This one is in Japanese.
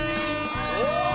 お！